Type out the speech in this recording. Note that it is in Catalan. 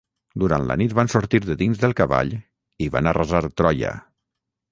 Durant la nit van sortir de dins del cavall i van arrasar Troia.